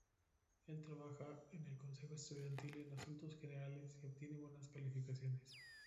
Él trabaja en el Consejo Estudiantil en asuntos generales, y obtiene buenas calificaciones.